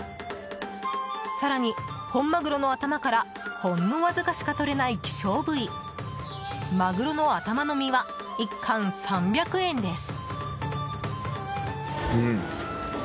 更に、本マグロの頭からほんのわずかしかとれない希少部位、マグロの頭の身は１貫３００円です。